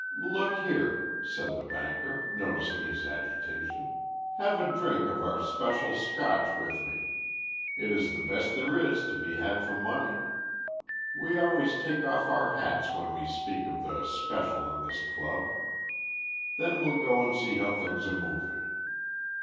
"Look here," said the banker, noticing his agitation, "have a drink of our Special Scotch with me. It is the best there is to be had for money. We always take off our hats when we speak of the Special in this club. Then we'll go and see how things are moving."